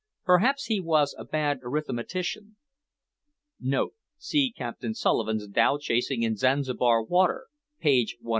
Perhaps he was a bad arithmetician. [See Captain Sulivan's Dhow chasing in Zanzibar Water; page 111.